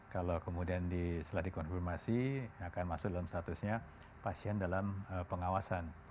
kalau kemudian setelah dikonfirmasi akan masuk dalam statusnya pasien dalam pengawasan